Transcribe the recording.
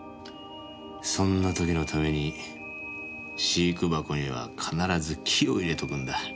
そんな時のために飼育箱には必ず木を入れとくんだ。